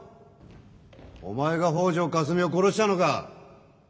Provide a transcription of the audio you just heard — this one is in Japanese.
お前が北條かすみを殺したのか！？